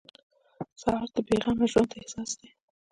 سهار د بې غمه ژوند احساس دی.